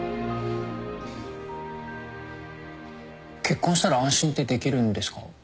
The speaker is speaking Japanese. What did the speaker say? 結婚したら安心ってできるんですか？